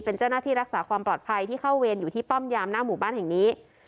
เป็นเจ้าหน้าที่รักษาความปลอดภัยที่เข้าเวรอยู่ที่ป้อมยามหน้าหมู่บ้านแห่งนี้